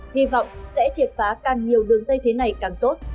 hy vọng sẽ triệt phá càng nhiều đường dây thế này càng tốt